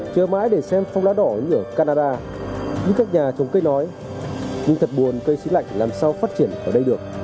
chờ mãi để xem phong lá đỏ như ở canada những các nhà trồng cây nói nhưng thật buồn cây xí lạnh làm sao phát triển ở đây được